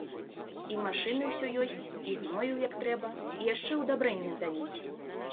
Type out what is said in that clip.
І машыны ўсё ёсць, і гною як трэба, і яшчэ ўдабрэння даюць.